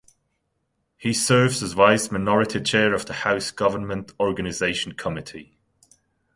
He serves as vice minority chair of the House Government Organization Committee.